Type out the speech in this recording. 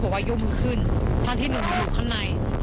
เป็นด่านชุมชนของทางปกครองเขา